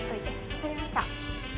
わかりました。